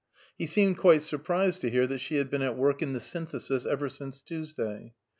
He seemed quite surprised to hear that she had been at work in the Synthesis ever since Tuesday.